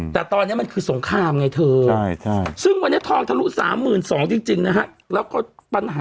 ถ้าสมมติเราซื้อซัก๒๖๐๐๐๒๗๐๐๐ตอนนั้น